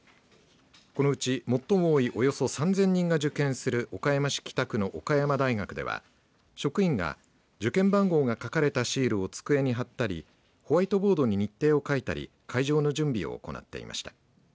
このうち最も多いおよそ３０００人が受験する岡山市北区の岡山大学では職員が受験番号が書かれたシールを机に貼ったりホワイトボードに日程を書いたり会場の準備を行っていました。